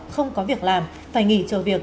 không có việc làm phải nghỉ chờ việc